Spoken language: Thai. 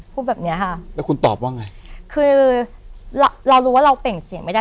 พูดแบบเนี้ยค่ะแล้วคุณตอบว่าไงคือเราเรารู้ว่าเราเปล่งเสียงไม่ได้